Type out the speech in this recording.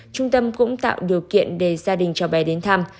trung tâm cũng tạo điều kiện để gia đình cho bé đến thăm